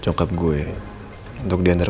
nyokap gue untuk diantar